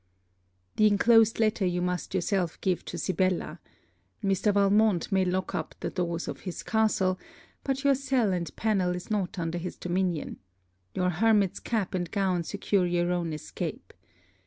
The inclosed letter you must yourself give to Sibella. Mr. Valmont may lock up the doors of his castle; but your cell and pannel is not under his dominion. Your hermit's cap and gown secure your own escape.